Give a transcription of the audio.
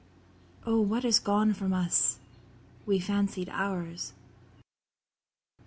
O what is gone from us, we fancied ours?